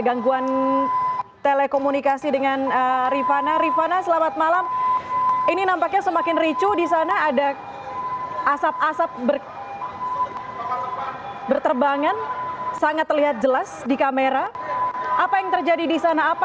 yang anda dengar saat ini sepertinya adalah ajakan untuk berjaga jaga